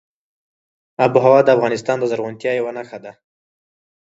آب وهوا د افغانستان د زرغونتیا یوه نښه ده.